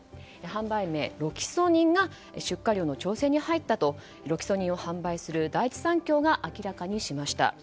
販売名、ロキソニンが出荷量の調整に入ったと、ロキソニンを販売する第一三共が明らかにしました。